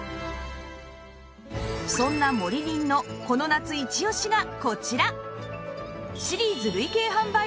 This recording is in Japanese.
そんなモリリンのこの夏イチオシがこちら！